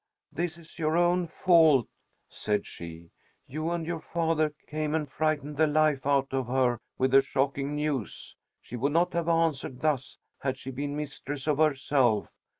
"This is your own fault," said she. "You and your father came and frightened the life out of her with the shocking news. She would not have answered thus had she been mistress of herself.